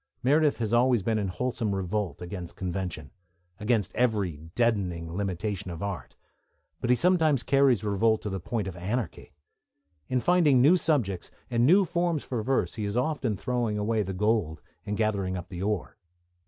Meredith has always been in wholesome revolt against convention, against every deadening limitation of art, but he sometimes carries revolt to the point of anarchy. In finding new subjects and new forms for verse he is often throwing away the gold and gathering up the ore.